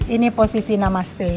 ini posisi namaste